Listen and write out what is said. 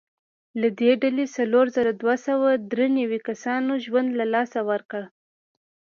له دې ډلې څلور زره دوه سوه درې نوي کسانو ژوند له لاسه ورکړ.